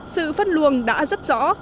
sự phân luồng đã rất rõ